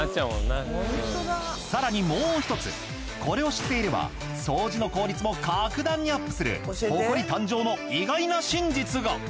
更にもう１つこれを知っていれば掃除の効率も格段にアップするホコリ誕生の意外な真実が！